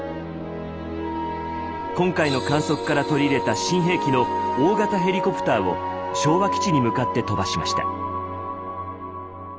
今回の観測から取り入れた新兵器の大型ヘリコプターを昭和基地に向かって飛ばしました。